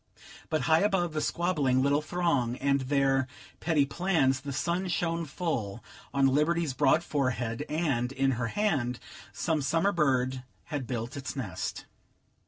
But high above the squabbling little throng and their petty plans, the sun shone full on Liberty's broad forehead, and, in her hand, some summer bird had built its nest.